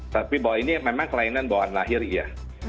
tapi bahwa ini memang kelainan bawaan lahir iya